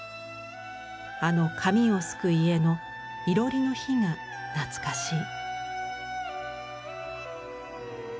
あの紙を漉く家のいろりの火が懐かしい。